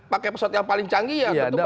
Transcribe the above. pakai pesawat yang paling canggih ya ketupat